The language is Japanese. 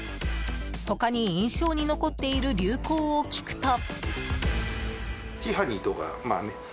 他に印象に残っている流行を聞くと。